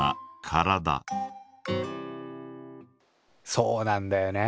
そうなんだよね